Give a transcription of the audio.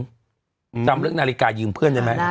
จำเรื่องนาฬิกายืมเพื่อนได้ไหม